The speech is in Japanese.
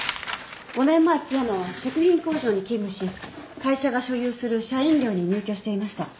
５年前津山は食品工場に勤務し会社が所有する社員寮に入居していました。